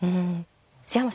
瀬山さん